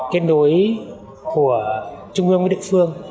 kết nối của trung ương với địa phương